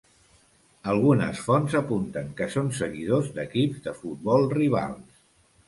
Algunes fonts apunten que són seguidors d’equips de futbol rivals.